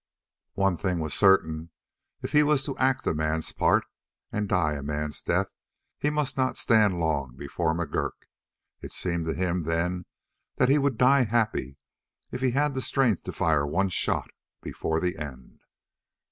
One thing was certain: if he was to act a man's part and die a man's death he must not stand long before McGurk. It seemed to him then that he would die happy if he had the strength to fire one shot before the end.